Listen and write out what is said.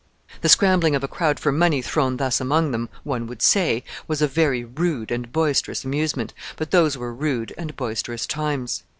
The scrambling of a crowd for money thrown thus among them, one would say, was a very rude and boisterous amusement, but those were rude and boisterous times.